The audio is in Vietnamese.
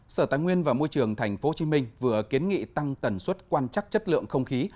sở tài nguyên và môi trường tp hcm vừa kiến nghị tăng tần suất quan trắc chất lượng không khí